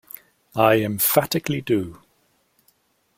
I emphatically do.